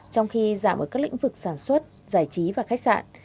trong khi giảm ở các lĩnh vực sản xuất giải trí và khách sạn